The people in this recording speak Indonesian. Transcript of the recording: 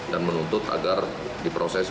dan menuntut agar diproses